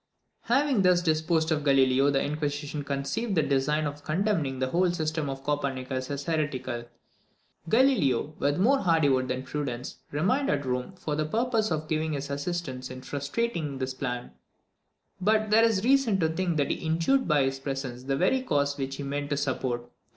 Having thus disposed of Galileo, the inquisition conceived the design of condemning the whole system of Copernicus as heretical. Galileo, with more hardihood than prudence, remained at Rome for the purpose of giving his assistance in frustrating this plan; but there is reason to think that he injured by his presence the very cause which he meant to support.